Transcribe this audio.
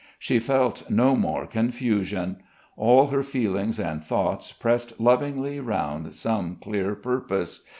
She felt no more "confusion." All her feelings and thoughts pressed lovingly round some clear purpose.